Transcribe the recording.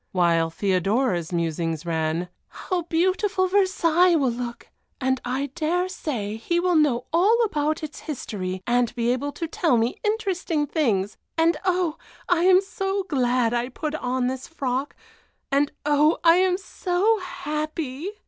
While Theodora's musings ran: "How beautiful Versailles will look, and I dare say he will know all about its history, and be able to tell me interesting things; and oh! I am so glad I put on this frock, and oh! I am so happy."